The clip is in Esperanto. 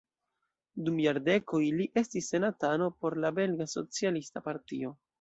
Dum jardekoj li estis senatano por la belga socialista partio.